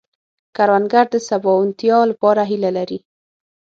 کروندګر د سباوونتیا لپاره هيله لري